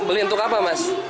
beli untuk apa mas